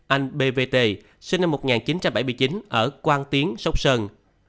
hai anh b v t sinh năm một nghìn chín trăm bảy mươi chín ở quang tiến sốc sơn